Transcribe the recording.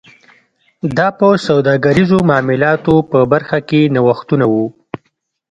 دا په سوداګریزو معاملاتو په برخه کې نوښتونه و